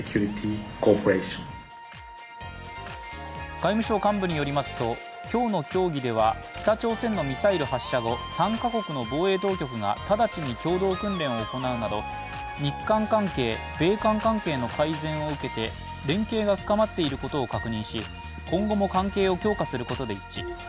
外務省幹部によりますと今日の協議では北朝鮮のミサイル発射後３か国の防衛当局が直ちに共同訓練を行うなど日韓関係、米韓関係の改善を受けて、連携が深まっていることを確認し、今後も関係を強化することで一致。